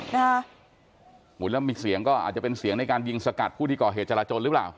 แล้วมีเสียงก็อาจจะเป็นเสียงในการยิงสกัดผู้ที่ก่อเหตุจราจนหรือเปล่า